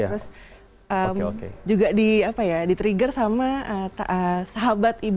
terus juga di trigger sama sahabat ibu